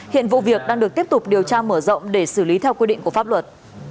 hiện vụ việc đang được tiếp tục điều tra mở rộng để xử lý theo quy định của pháp luật